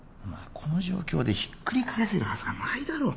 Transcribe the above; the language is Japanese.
この状況でひっくり返せるはずがないだろう